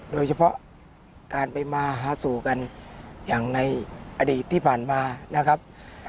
โดยเฉพาะการไปมาหาสู่กันอย่างในอดีตที่ผ่านมานะครับ